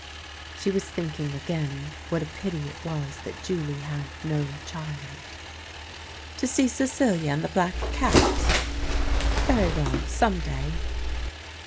She was thinking again what a pity it was that Julie had no child. " To see Cecilia and the black cat ? Very well —• some day."